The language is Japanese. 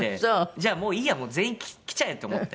じゃあもういいや全員来ちゃえと思って。